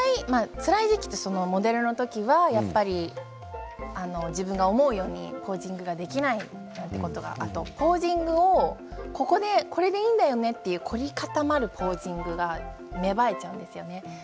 つらい時期はモデルのときは自分が思うようにポージングができないということがあと、ポージングがこれでいいんだよね、という凝り固まるポージングが芽生えてしまうんですよね。